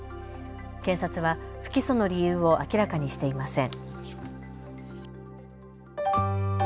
検察は不起訴の理由を明らかにしていません。